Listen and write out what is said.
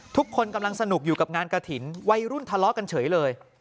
ทุกคนกำลังสนุกอยู่กับงานกระถิ่นวัยรุ่นทะเลาะกันเฉยเลย